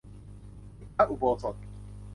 ที่พระอุโบสถ